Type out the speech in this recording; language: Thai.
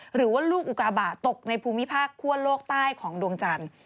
หรือว่าลูกอุกาบะตกในภูมิภาคคั่วโลกใต้ของดวงจันทร์